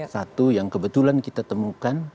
satu yang kebetulan kita temukan